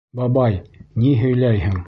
Бабай, ни һөйләйһең?